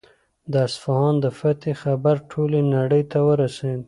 د اصفهان د فتحې خبر ټولې نړۍ ته ورسېد.